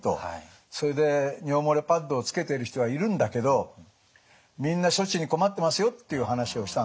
それで尿漏れパッドをつけてる人はいるんだけどみんな処置に困ってますよっていう話をしたんです。